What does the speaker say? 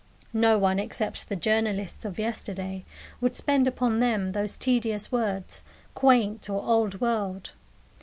No one, except the journalists of yesterday, would spend upon them those tedious words, "quaint," or "old world."